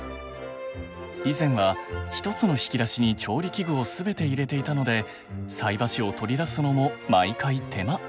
以前は１つの引き出しに調理器具を全て入れていたので菜箸を取り出すのも毎回手間。